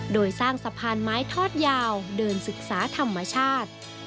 โดยสร้างสะพานไม้ทอดยาวเดินศึกษาธรรมชาติ